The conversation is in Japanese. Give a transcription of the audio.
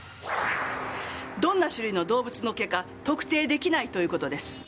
どんな種類の動物の毛か特定できないということです。